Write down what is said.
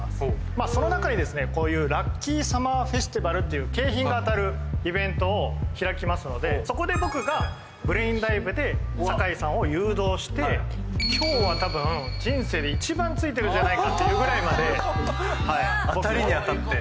まあその中にですねこういう「ラッキーサマーフェスティバル」っていう景品が当たるイベントを開きますのでそこで僕がブレインダイブで酒井さんを誘導して今日はたぶん人生で一番ついてるんじゃないかっていうぐらいまで当たりに当たって